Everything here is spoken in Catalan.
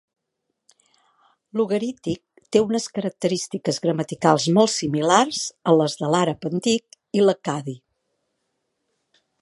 L'ugarític té unes característiques gramaticals molt similars a les de l'àrab antic i l'accadi.